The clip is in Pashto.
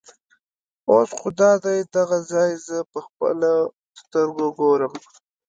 اوس خو دادی دغه ځای زه په خپلو سترګو ګورم.